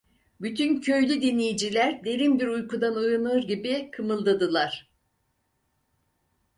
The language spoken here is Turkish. Bütün köylü dinleyiciler, derin bir uykudan uyanır gibi kımıldadılar.